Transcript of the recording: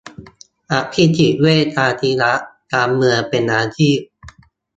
อภิสิทธิ์ เวชชาชีวะ การเมืองเป็นอาชีพ